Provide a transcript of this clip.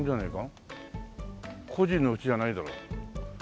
個人の家じゃないだろう。